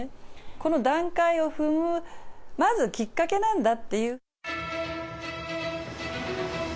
この段階を踏む、まずきっかけなんだっていう。